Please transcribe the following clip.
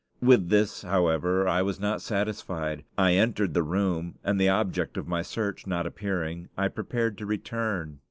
With this, however, I was not satisfied. I entered the room, and the object of my search not appearing, I prepared to return.